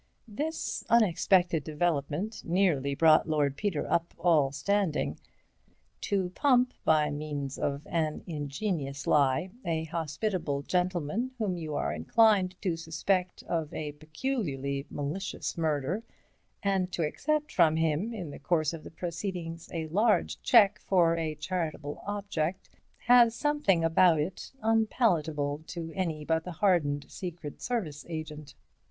This unexpected development nearly brought Lord Peter up all standing. To pump, by means of an ingenious lie, a hospitable gentleman whom you are inclined to suspect of a peculiarly malicious murder, and to accept from him in the course of the proceedings a large cheque for a charitable object, has something about it unpalatable to any but the hardened Secret Service agent.